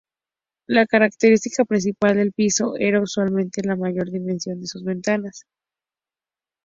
La característica principal del piso era usualmente la mayor dimensión de sus ventanas.